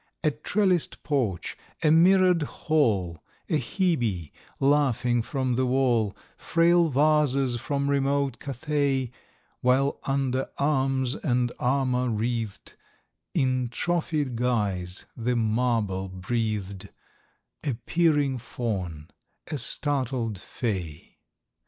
A trelliss'd porch, a mirror'd hall, A Hebe, laughing from the wall, Frail vases from remote Cathay,— While, under arms and armour wreath'd In trophied guise, the marble breath'd— A peering fawn, a startled fay.